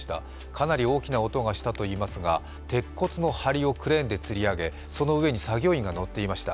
かなり大きな音がしたといいますが鉄骨のはりをクレーンでつり上げ、その上に作業員が乗っていました。